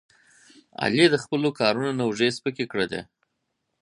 علي د خپلو کارونو نه اوږې سپکې کړلې.